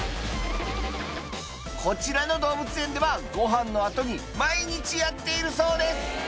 こちらの動物園ではごはんの後に毎日やっているそうです